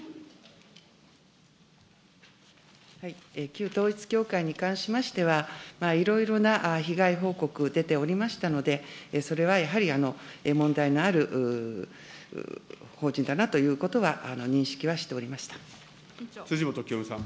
旧統一教会に関しましては、いろいろな被害報告出ておりましたので、それはやはり問題のある法人だなということは認識はしておりまし辻元清美さん。